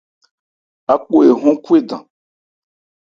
Áko ehɔ́n Khwédan.